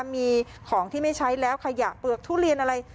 มีของที่ไม่ใช้แล้วขยะเปลือกทุเรียนอะไร